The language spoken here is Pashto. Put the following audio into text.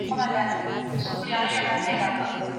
پښتو ته په ډیجیټل نړۍ کې وده ورکړئ.